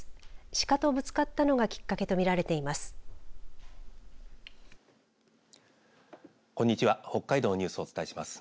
鹿とぶつかったのがきっかけと見られています。